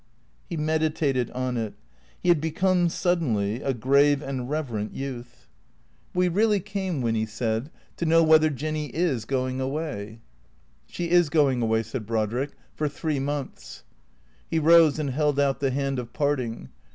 " He meditated on it. He had become, suddenly, a grave and reverent youth. 456 THE CREATORS " We really came," Winny said, " to know whether Jinny is going away ?"" She is going away,'^ said Brodrick, " for three months." He rose and held out the hand of parting.